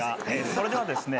それではですね